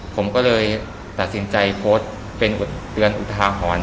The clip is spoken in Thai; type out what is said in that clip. ผมก็เลยตัดสินใจโพสต์เป็นเตือนอุทาหรณ์